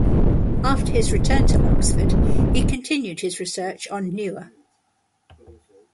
After his return to Oxford, he continued his research on Nuer.